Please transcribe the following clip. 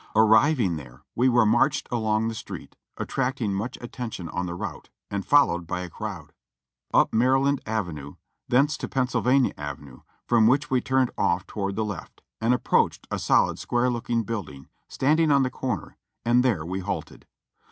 Arriving there we were marched along the street, attracting much attention on the route, and followed by a crowd. Up Maryland Avenue, thence to Pennsylvania Avenue, from which we turned off toward the left, and approached a solid, square looking building standing on the corner, and there we halted.